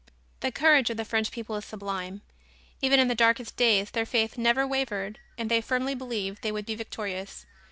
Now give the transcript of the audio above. The courage of the French people is sublime. Even in the darkest days their faith never wavered and they firmly believed they would be victorious.